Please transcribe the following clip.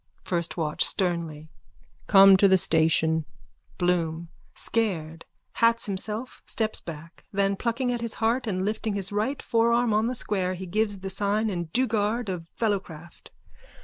FIRST WATCH: (Sternly.) Come to the station. BLOOM: _(Scared, hats himself, steps back, then, plucking at his heart and lifting his right forearm on the square, he gives the sign and dueguard of fellowcraft.)